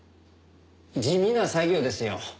地味な作業ですよ。